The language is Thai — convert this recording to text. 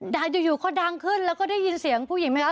แต่อยู่เขาดังขึ้นแล้วก็ได้ยินเสียงผู้หญิงไหมคะ